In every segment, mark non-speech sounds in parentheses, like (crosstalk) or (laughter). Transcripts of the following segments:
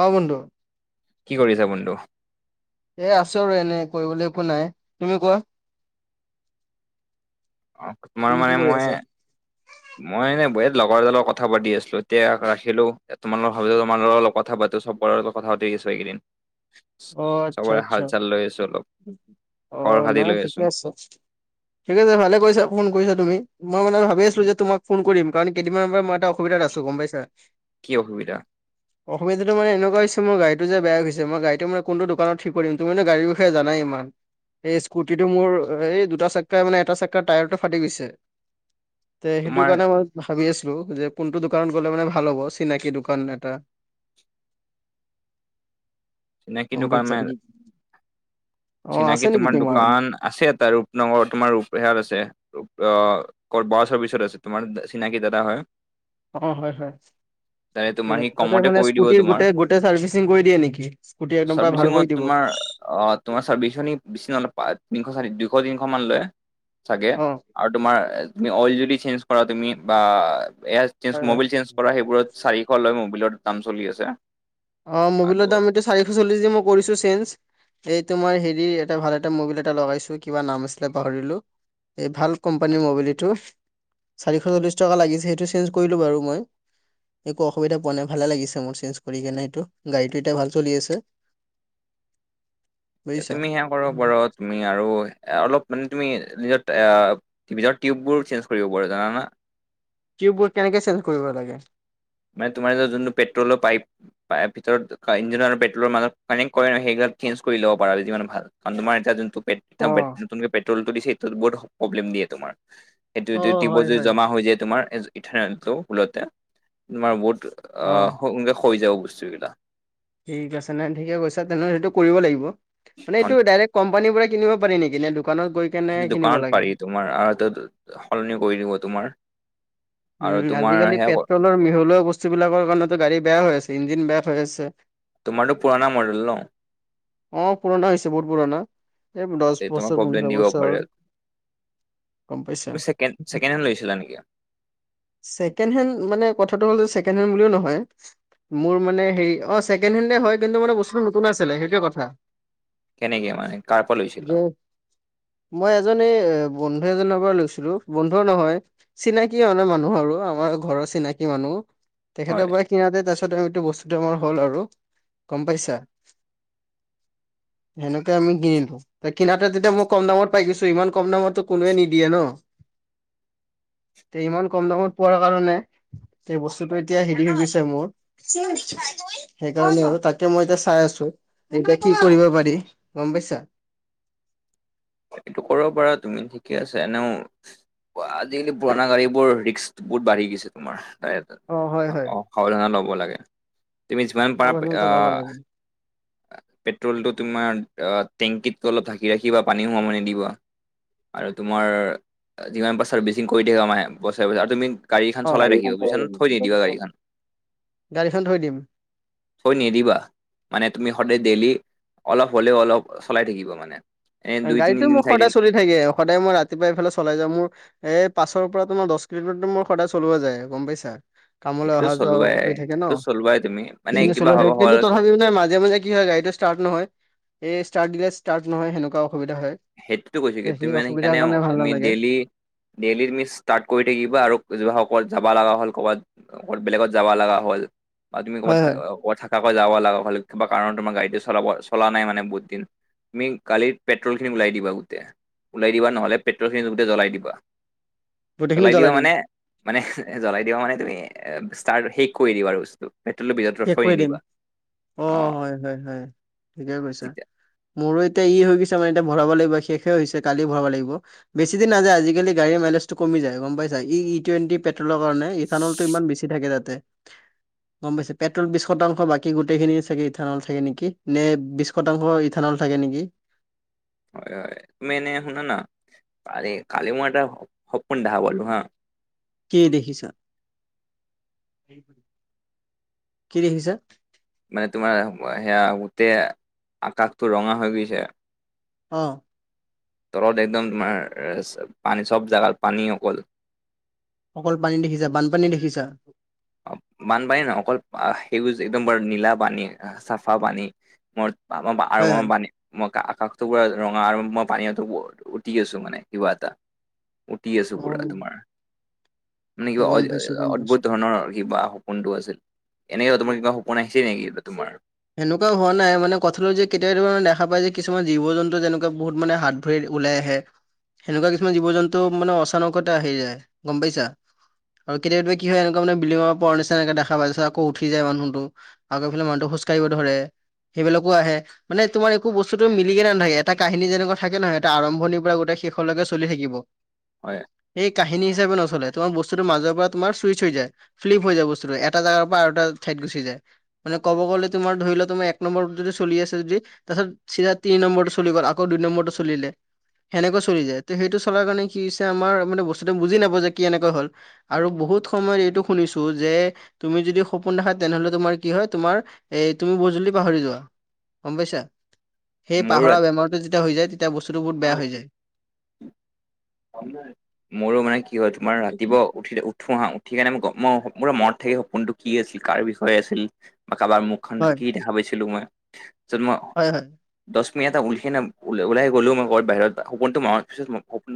অঁ, বন্ধু। কি কৰিছা বন্ধু? এ আছো আৰু এনে কৰিবলৈ একো নাই তুমি কোৱা? অঁ, তোমাৰ তুমি কি মানে কৰি মই আছা মই এনে বয় লগৰ এটা লগত কথা পাতি আছিলো এতিয়া ৰাখিলো তোমাল লগত ভাবিলো তোমাৰ লগৰ লগত কথা পাতো চব কথা পাতি গৈছ এইকেইদিন অঁ আচ্ছা চবৰে হাল আচ্ছা চাল লৈ আছো অলপ খবৰ অঁ খাতি নাই লৈ আছো ঠিকে আছে। ঠিকে আছে ভালে কৰিছা ফোন কৰিছা তুমি মই মানে আৰু ভাবি আছিলো যে তোমাক ফোন কৰিম। কাৰণ কেইদিনমানৰ মই এটা অসুবিধাত আছো গম পাইছা। কি অসুবিধা? অসুবিধাটো মানে এনেুকুৱা হৈছে মোৰ গড়ীটো যে বেয়া হৈ গৈছে মোৰ গাড়ী তো মানে কোনটো দোকানত ঠিক কৰিম তুমি মানে গাড়ীৰ বিষয়ে জানা ইমান। এই স্কুটিটো মোৰ এই দুটা চাক্কাই মানে এটা চাক্কাৰ টায়াৰটো ফাটি গৈছে। তে সেইটো তোমাৰ কাৰণে মই ভাবি আছো যে কোনটো দোকানত গ'লে মানে ভাল হ'ব চিনাকি দোকান এটা। চিনাকি গম দোকান পাইছা মে অ চিনাকি আছে নেকি তোমাৰ দোকান আছে এটা ৰূপনগৰত তোমাৰ ৰূপনগৰত আছে। অহ কৰ পৰা চাৰ্ভিচত আছে তোমাৰ চিনাকি দাদা হয়। অঁ হয় হয় তাৰে ঠিক তোমাৰ সি আছে তাতে কমতে মানে কৰি দিব স্কুটিৰ তোমাৰ গোটে গোটেই চাৰ্ভিচিং কৰি দিয়ে নেকি? স্কুটি একদম পুৰা ভাল কৰি দিব। অঁ তোমাৰ চাৰ্ভিছঙত বেছি নলয় দুশ তিনিশ মান লৈ চাগে। অ', আৰু তোমাৰ তুমি অইল যদি চেঞ্জ কৰা তুমি বা এয়- চেঞ্জ হয় হয়। মোবিল চেঞ্জ কৰা সেইবোৰত চাৰিশ লৈ মোবিলৰ দাম চলি আছে। অঁ মবিলৰ আৰু দাম এতিয়া চাৰিশ চল্লিশ দি কৰিছো চেঞ্জ। এইটো মই হেৰি এটা ভাল এটা মবিল এটা লগাইছো কিবা নাম আছিলে পাহৰিলো। এই ভাল কোম্পানীৰ মোবিল এইটো। চাৰিশ চল্লিচ টকা লাগিছে সেইটো চেঞ্জ কৰিলো বাৰু মই। একো অসুবিধা পোৱা নাই ভালে লাগিছে মোৰ চেঞ্জ কৰি কিনে। গাড়ীটো এতিয়া ভাল চলি আছে? বুজিছা। তুমি সেয়া কৰিব পাৰ তুমি আৰু অলপ মানে তুমি নিজৰ এয়া ভিতৰৰ টিউববোৰো চেঞ্জ কৰিব পাৰি জানানা টিউববোৰ কেনেকে চেঞ্জ কৰিব লাগে মানে তোমাৰ যে যোনটো পেট্ৰলৰ পাইপ পাইপ ভিতৰত ইঞ্জিন আৰু পেট্ৰলৰ মাজত কানেক্ট কৰে ন সেইডাল চেঞ্জ কৰি লব পাৰা যিমানে ভাল কাৰণ তোমাৰ এতিয়া যোনটো পে অ', পেট্টল নতুনকে পেট্ৰলটো দিছে সেইটোত বহুত প্ৰব্লেম দিয়ে তোমাৰ এইটো এইটো অ', হয় টিউবত যে হয় জমা হৈ যে তোমাৰ ইথানেলটো ভুলতে তোমাৰ বহুত অ সোনকালে হৈ যাব বস্তুবিলাক ঠিক আছে নে ঠিকে কৈছা তেনেহলে সেইটো কৰিব লাগিব মানে কাৰণ এইটো ডাইৰেক্ট কোম্পানীৰ পৰা কিনিব পাৰি নেকি নে দোকানত গৈ কেনে সেইটো কিনিব দোকানত লাগে? পাৰি তোমাৰ আৰু সলনি কৰি দিব তোমাৰ আৰু উম তোমাৰ আজিকালি সেয়া পেট্ৰলৰ মিহলোৱা বস্তু বিলাকৰ কাৰণেতো গাড়ী বেয়া হৈ আছে ইঞ্জিন বেয়া হৈ আছে তোমাৰটো পুৰণা মডেল ন অ পুৰণা হৈছে বহুত পুৰণা এই দহ তাতে তোমাৰ বছৰ প্ৰব্লেম পোন্ধৰ দিব পাৰে বছৰ গম পাইছা তুমি ছেকেণ্ড ছেকেণ্ড হেণ্ড লৈছিলা নেকি ছেকেণ্ড হেণ্ড মানে কথাটো হ'ল যে ছেকেণ্ড হেণ্ড বুলিও নহয় মোৰ মানে হেৰি অ ছেকেণ্ড হেণ্ড হয় কিন্তু মানে বস্তুটো নতুন আছিলে সেইটোৱে কথা কেনেকে মানে কাৰ পৰা লৈছিল যে মই এজনী বন্ধু এজনৰ পৰা লৈছিলো বন্ধুও নহয় চিনাকি কি হয়নো মানুহ আৰু আমাৰ ঘৰৰ চিনাকি মানুহ হয় তেখেতৰ পৰা কিনোতে তাৰ পিছত আৰু এইটো বস্তুটো আমাৰ হ'ল আৰু গম পাইছা (inaudible) সেনেকে আমি কিনিলো কিনাতে যেতিয়া মই কম দামত পাই গৈছো ইমান কম দামততো কোনোৱে নিদিয়ে ন সেই ইমান কম দামত পোৱাৰ কাৰণে সেই বস্তুটো এতিয়া হেৰি হৈ গৈছে মোৰ (unintelligible) সেইকাৰণে আৰু তাকে মই এতিয়া চাই আছো এতিয়া কি কৰিব পাৰি গম পাইছা এইটো কৰিব পাৰা তুমি ঠিকে আছে এনেও পোৱা আজিকালি পুৰণা গাড়ী বোৰ ৰিক্স বহুত বাঢ়ি গৈছে তোমাৰ অ হয় হয় অ সাৱধানে ল'ব লাগে তুমি যিমান পাৰা সাৱধানতা ল'ব লাগে। আহ পেট্ৰলটো তোমাৰ অ টেংকিত অলপ ঢাকি ৰাখিবা পানী সোমাব নিদিবা আৰু তোমাৰ যিমান ছাৰ্ভিচিং কৰি থাকিবা মাহে বছৰে বছৰে আৰু তুমি গাড়ী খন অ চলাই থাকিবা বুজিছা নে থৈ নিদিবা গাড়ীখন গাড়ীখন থৈ দিম। থৈ নিদিবা মানে তুমি সদায় ডেইলি অলপ হ'লেও অলপ চলাই থাকিব মানে এনে দুই গাড়ীটো তিনিদিন মোৰ চাৰিদিন সদায় চলি থাকে সদায় মই ৰাতিপুৱাই এইফালে চলাই যাওঁ মোৰ এই পাঁচৰ পৰা তোমাৰ দহ কিলোমিটাৰ মোৰ সদায় চলোৱা যায় গম পাইছা কামলে সেইটোতো অহা যোৱা চলোৱাই হৈ থাকে ন সেইটোতো চলোৱাই তুমি মানে সেইখিনি কিবা চলি হ'ব থাকে কিন্তু হ'ল তথাপি মানে মাজে মাজে কি হয় গাড়ীটো ষ্টাৰ্ট নহয় এই ষ্টাৰ্ট দিলে ষ্টাৰ্ট নহয় সেনেকুৱা অসুবিধা হয় সেইটো কৈছো কিন্তু সেই তুমি মানে অসুবিধাৰ সেইকাৰণে কাৰণে ভাল তুমি নালাগে ডেইলি ডেইলি তুমি ষ্টাৰ্ট কৰি থাকিবা আৰু যোৱা হল যাব লগা হ'ল কৰ'বাত বেলেগত যাবা লগা হ'ল বা তুমি হয় ক'ৰবাত হয় কৰবাত থাকাকে যাব লাগা হল কিবা কাৰণ তোমাৰ গাড়ীটো চলাব চলা নাই মানে বহুতদিন তুমি কালি পেট্ৰল ওলাই দিবা গোটে ওলাই দিবা নহ'লে পেট্ৰল খিনি গোটেই জ্বলাই দিবা গোটেইখিনি জ্বলাই দিবা দিম মানে মানে জ্বলাই দিবা মানে তুমি ষ্টাৰ্ট শেষ কৰি দিবা আৰু বস্তু পেট্টল (unintelligible) শেষ কৰি দিম, অঁ' হয় হয় হয়, ঠিকে কৈছা। তেতিয়া মোৰো এতিয়া ই হৈ গৈছে মানে এতিয়া ভৰাব লাগিব শেষে হৈছে কালি ভৰাব লাগিব। বেছি দিন নাযায়, আজিকালি গাড়ীৰ মাইলেজটো কমি যায় গম পাইছা, ই টুৱেণটি পে পেট্ৰ'ল কাৰণে ইথানল ইমান বেছি থাকে তাতে গম পাই পেট্ৰল বিশ শতাংশ বাকী গোটেইখিনি চাগে ইথানল থাকে নেকি, নে বিশ শতাংশ ইথানল থাকে নেকি। হয় হয়, মেনে শুনা না, কালি মই এটা সপন (unintelligible) হা। কি দেখিছা? কি দেখিছা? মানে তোমাৰ সেয়া গোটে আকাশটো ৰঙা হৈ গৈছে। অঁ। তলত একদম তোমাৰ পানী চ'ব জাগাৰ পানী অকল। অকল পানী দেখিছা, বানপানী দেখিছা? অঁ, বানপানী নহয় অকল সেউজ একদম বৰ নীলা পানী, চাফা পানী- মোৰ মই আৰু হয় মই হয় পানী- মই আকাশটো পোৰা ৰঙা আৰু মই পানী উটি আছো মানে কিবা এটা। উটি আছো অ পুৰা তোমাৰ মানে কিবা গম পাইছো গম অদ্ভুত পাইছো। ধৰণৰ কিবা সপোনটো আছিল, এনেকা তোমাৰ কিবা সপোন আহিছে নেকি তোমাৰ? সেনেকোৱা হোৱা নাই মানে (unintelligible) যে কেতিয়াৱা কেতিয়াবা এনে দেখা পায় যে কিছুমান জীৱ-জন্তু যেনেকুৱা বহুত মানে হাবিত ওলাই আহে, সেনেকুৱা কিছুমান জীৱ-জন্তু মানে অচানকতে আহি যায় গম পাইছা। আৰু কেতিয়াবা কেতিয়াবা কি হয় এনেকুৱা বিড্লিঙৰ (unintelligible) নিচিনাকৈ দেখা পাইছ আকৌ উঠি যায় মানুহটো। আগৌ এইফালে মানুহটো খোজ কাঢ়িব ধৰে, সেইবিলাকো আহে। মানে তোমাৰ একো বস্তুটো মিলিকেনে নাথাকে, এটা কাহিনী যেনেকুৱা থাকে নহয় এটা আৰম্ভণিৰ পৰা গোটেই শেষলৈকে চলি থাকিব। হয়। সেই কাহিনী হিচাপে নচলে তোমাৰ বস্তুটোৰ মাজৰ পৰা তোমাৰ চুইচ হৈ যায়। ফ্লিপ হৈ যায় বস্তুটো, এটা জাগাৰ পৰা আৰু এটা ঠাইত গুচি যায় মানে ক'ব গ'লে তোমাৰ ধৰিলোৱা তোমাৰ এক নম্বৰটো যদি চলি আছে যদি তাৰপিছত চিধা তিনি নম্বৰটো চলি গ'ল আকৌ দুই নম্বৰটো চলিলে। সেনেকৈ চলি যায়। ত' সেইটো চলাৰ কাৰণে কি হৈছে আমাৰ মানে বস্তুটো বুজি নাপাব যে কি এনেকৈ হ'ল। আৰু বহুত সময়ত এইটো শুনিছো যে তুমি যদি সপোন দেখা তেনে হ'লে তোমাৰ কি হয় তোমাৰ এই তুমি বহুত জল্দি পাহৰি যোৱা গম পাইছা। সেই মোৰো পাহৰা বেমাৰটো যেতিয়া হৈ যায় তে তিয়া বস্তুটো বহুত বেয়া ৰাতি হৈ যায়। মোৰো মানে কি হয় তোমাৰ ৰাতিপুৱা উঠি-উঠো হা' উঠি কেনে মোৰ পুৰা মনত থাকে সপোনটো কি আছিল কাৰ বিষয়ে আছিল- বা কাৰোবাৰ মুখখন হয় কি দেখা পাইছিলো মই, তাৰপিছত মই- হয় হয়। দহ মিনিট এটা উঠি কিনে উলাই গলো মই ঘৰত বাহিৰত সপোনটো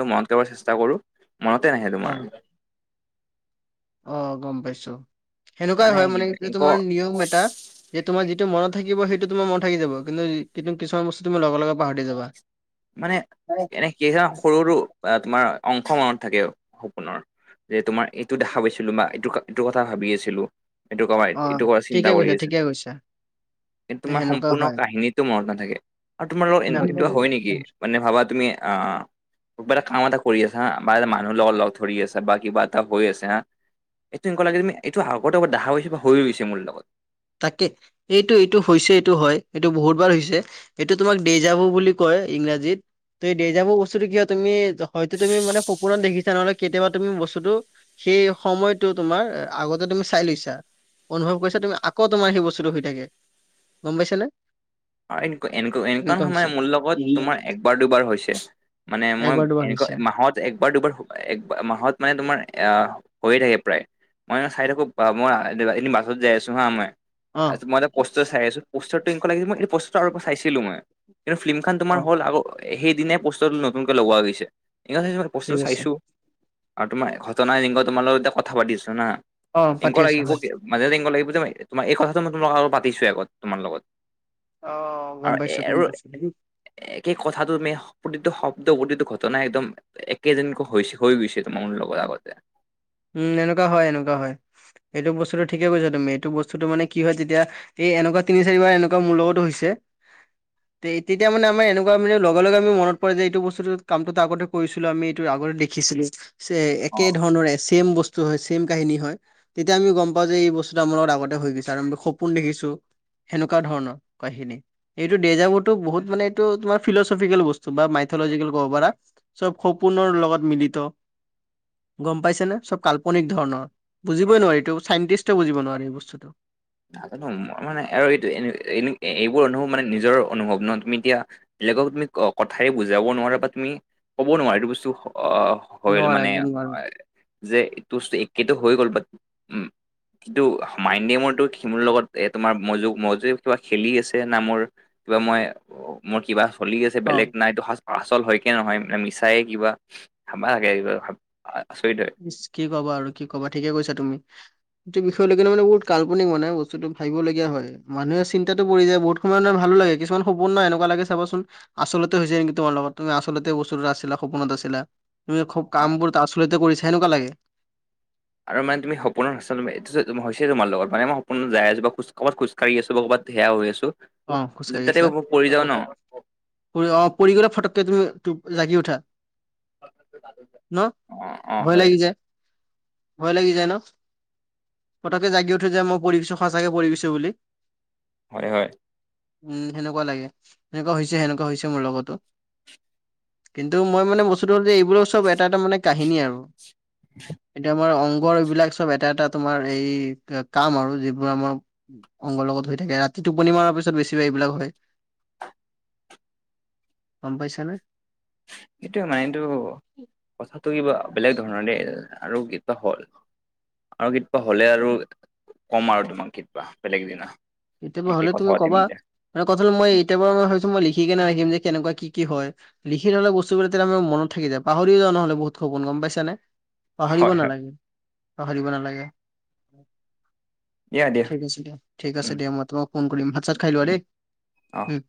(unintelligible) মনত কৰিবলে চেষ্টা কৰো মনতে নাহে তোমাৰ। অঁ' গম পাইছো, সেনেকুৱাই হয় মানে এইটো ক তোমাৰ নিয়ম এটা। যে তোমাৰ যিটো মনত থাকিব সেইটো তোমাৰ মনত থাকি যাব কিন্তু কিন্তু কিছুমান বস্তু তুমি লগে লগে পাহৰি যাবা। মানে এনে (unintelligible) সৰু-সৰু বা তোমাৰ অংশ মনত থাকে সপোনৰ। যে তোমাৰ এইটো দেখা পাইছিলো বা এইটো এইটো কথা ভাবি আছিলোঁ। (unintelligible) এইটো অ কথা চিন্তা ঠিকে কৰি কৈছা ঠিকে আছিলো। কৈছা কিন্তু তোমাৰ সেনেকুৱা সম্পূৰ্ণ কাহিনীটো মনত নাথাকে আৰু তোমাৰ লগত এনেকুৱা কেতিয়াবা হয় নেকি? নে ভাবা তুমি আ'- কিবা এটা কাম এটা কৰি আছা হা' বা (unintelligible) মানুহ লগৰ লগ ধৰি আছা, বা কিবা এটা কৰি আছে হা। এইটো এনেকুৱা লাগে এইটো আগতে দো হৈছে বা হৈ গৈছে মোৰ লগত তাকে এইটো এইটো হৈছে এইটো হয় এইটো বহুত বাৰ হৈছে। এইটো তোমাক দেই যাবু বুলি কয় ইংৰাজীত ত দে যাবোৰ বস্তুটো কিয় তুমি হয়তো তুমি মানে সপোনত দেখিছা নহ'লে কেতিয়াবা তুমি বস্তুটো সেই সময়তটো তোমাৰ আগতে তুমি চাই লৈছা অনুভৱ কৰিছা তুমি আ ক তোমাৰ সেই বস্তুটো হৈ থাকে গম পাইছে নে এনো এনেকুৱা সময় মোৰ লগত তোমাৰ একবাৰ দুবাৰ হৈছে। মানে মই একবাৰ দুবাৰ এনেকুৱা হৈছে মাহত একবাৰ দুবাৰ একবাৰ মাহত মানে তোমাৰ আহ হৈয়ে থাকে প্ৰায় মই এ চাই থাকোঁ মই এদিন বাছত যাই আছোঁ হা মই অ তছ মই এটা পোষ্টাৰ চাই আছো পষ্টাৰটো লাগি মই এই পষ্টাৰৰ পৰা চাইছিলো মই কিন্তু ফিল্মখন অ তোমাৰ হল আগ সেইদিনে পষ্টাৰটো নতুনকে লগোৱা গৈছে ইংৰাজী বস্তু টো ঠিক আছে চাইছো আৰু তোমাৰ ঘটনাং তোমাৰ লগৰ এয়া কথা পাতি আছো না অ পাতি এনেকুৱা আছা লাগিব হয় মাজেতে এনেকুৱা লাগিব তোমাৰ এই কথাটো মই তোমাৰ আৰু পাতিছোৱে আগত তোমাৰ লগত অ গম আৰু পাইছো গম আৰু পাইছো একেই কথাটো তমি প্ৰতিটো শব্দ প্ৰতিটো ঘটনা একদম একেজনীকৈ হৈছে হৈ গৈছে তোমাৰ মোৰ লগত আগতে উম এনেকুৱা হয় এনেকুৱা হয় এইটো বস্তুটো ঠিকে কৈছা তুমি এইটো বস্তুতটো মানে কি হয় যেতিয়া এই এনেকুৱা তিনি চাৰিবাৰ এনেকুৱা মোৰ লগতো হৈছে। (inaudible) তেতিয়া মানে আমাৰ এনেকুৱা মানে লগে লগে আমি মনত পৰে যে এইটো বস্তুটো কামটোত আগতে কৰিছিলো আমিটো আগতে দে লিখিছিলো একে অ'। ধৰণৰে ছেম বস্তু হয় ছেম কাহিনী হয়। তেতিয়া আমি গম পাওঁ যে এই বস্তুটো আমাৰ লগত আগতে হৈ গৈছে আৰু সপোন দেখিছো। সেনেকুৱা ধৰণৰ কাহিনী। এইটো ডেজা বোৰো বহুত মানে এইটো তোমাৰ ফিলচফিকেল বস্তু বা মাইথলজিকেল ক'ব পাৰা। চব সপোনৰ লগত মিলিত গম পাইছে নে। চব কাল্পনিক ধৰণৰ বুজিবই নোৱাৰি এইটো চাইণ্টিষ্টে বুজিব নোৱাৰি এই বস্তুটো নাজানো মই মানে আৰু এইটো এইবোৰ অনুভৱ মানে নিজৰ অনুভৱ ন তুমি এতিয়া বেলেগক তুমি কথাই বুজাব নোৱাৰা বা তুমি ক'ব নোৱাৰা এইটো বস্তু শল নোৱাৰা মানে একদম নোৱাৰা হয়। যে একেই হৈ গ'ল বাদ উম কিন্তু মাইড গেমৰটো সি মোৰ লগত এ তোমাৰ মজ মজু কিবা খেলি আছে না মোৰ কিবা মই মোৰ কিবা চলি আছে অ বেলেগ নাইটো আচল হয়কে নহয়ে মিছায়ে কিবা হা লাগে কিবা আচৰিতৰে কি ক'ব আৰু কি ক'ব ঠিকে কৈছা তুমি সটো বিষয়লৈকে মানে বহুত কাল্পনিক মানে বস্তুটো ভাবিবলগীয়া হয়। মানুহে চিন্তাত পৰি যায় বহুত সময় লাগে কিছুমান সপোন নাই এনেকুৱা লাগে চাবচোন। আচলতে হৈ হৈছেয় নেকি তোমাৰ আচলতে বস্তুটা আছিলা সপোনত আছিলা তুমি খুব অ কামবোৰ আচলতে কৰিছা এনেকুৱা লাগে। আৰু মানে তুমিপোন আটো হৈছে তোমাৰ লগত মানেই সপোন য আছো খো ক'ব খোজ ক় আছো কৰবাত ধেয়া হৈ আছো অ যদি খোজকাঢ়ি তাতে আছা মই পৰি যাওঁ ন অ পৰি গলে ফটককে তুমি জাগি উঠা ন অ অ ভয় হয় লাগি যায়। ভয় লাগি যায় ন পতকে জাগি উঠৈ যায় মই পঢ়ছো সঁচাকে পঢ়িছো বুলি হয় হয় উম সেনেকুৱা লাগে, সেনেকুৱা হৈছে সেনেকুৱা হৈছে মোৰ লগতো। কিন্তু মই মানে বস্তুটো হ'ল যে এইবোৰ চব এটা - এটা মানে কাহিনী আৰু এতিয়া আমাৰ অং বৰ এইবিলাক চব এটা এটা তোমাৰ এই কা কাম আৰু যিবোৰ আমাৰ অংগৰ লগত হৈ থাকে ৰাতি টোপনি মৰাৰ পি চত বেছি এইবিলাক হয়, গম পাইছা নে? এইটোয়ে মাইণ্ডটো কথাটো কিবা বেলেগ ধৰণৰে আৰু কিবা হ'ল। আৰু কিতপা হ'লে আৰু কম আৰু তোমাক কিতবা বেলেগ দিনা। এতিয়াৰপৰা একে হ'লে কথা তুমি পাতিম ক'বা দিয়া মানে কথা হল মই এতিয়াৰপৰা মই ভাবিছো মই লিখিকেনে ৰাখিম যে কেনেকুৱা কি কি হয়? লিখি থলে বস্তুবোৰ তেতিয়া আমাৰ মনত থাকি যায় পাহৰি যাওঁ নহলে বহুত সপোন গম পাইছানে? পাহৰিব হয় হয় নালাগে, পাহৰিব নালাগে। ঠিক আছে দিয়া, ঠিক আছে উম দিয়া মই তোমাক ফোন কৰিম ভাত - চাত খাই লোৱা উম দেই অহ উম।